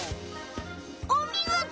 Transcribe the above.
おみごと！